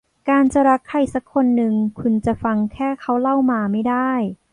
การจะรักใครสักคนหนึ่งคุณจะฟังแค่เขาเล่ามาไม่ได้